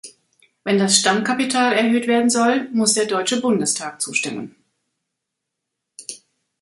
Wenn das Stammkapital erhöht werden soll, muss der Deutsche Bundestag zustimmen.